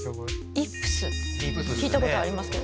「イップス」聞いたことありますけどね。